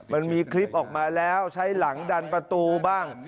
มันมีคลิปออกมาแล้วใช้หลังดันประตูบ้าง